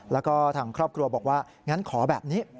แล้วก็ทางครอบครัวบอกว่างั้นขอแบบนี้